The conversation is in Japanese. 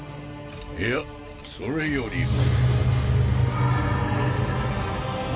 いやそれよりも。